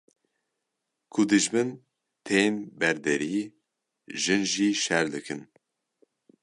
Ku dijmin tên ber derî, jin jî şer dikin.